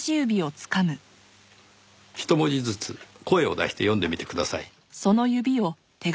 一文字ずつ声を出して読んでみてください。